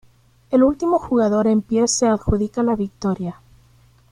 El último jugador en pie se adjudica la victoria.